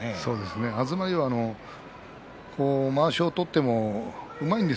東龍はまわしを取ってもうまいです